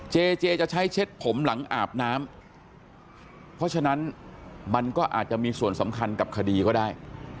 เจเจจะใช้เช็ดผมหลังอาบน้ำเพราะฉะนั้นมันก็อาจจะมีส่วนสำคัญกับคดีก็ได้